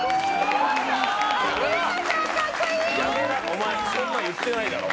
お前そんなん言ってないだろ。